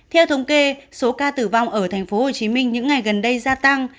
theo thống kê số ca tử vong ở tp hcm những ngày gần đây gia tăng